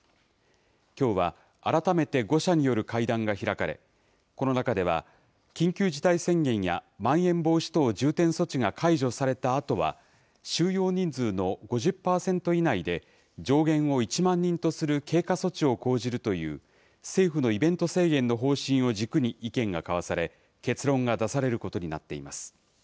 きょうは改めて５者による会談が開かれ、この中では、緊急事態宣言やまん延防止等重点措置が解除されたあとは、収容人数の５０％以内で上限を１万人とする経過措置を講じるという、政府のイベント制限の方針を軸に意見が交わされ、結論が出されることになっています。